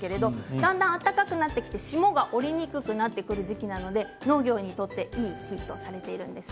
だんだん暖かくなって霜が降りにくくなってくる時期なので農業にとっていい日とされているんです。